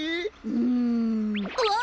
うんああ！